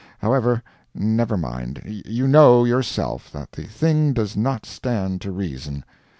However, never mind. You know, yourself, that the thing does not stand to reason.